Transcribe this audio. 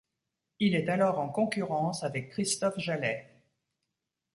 Il est alors en concurrence avec Christophe Jallet.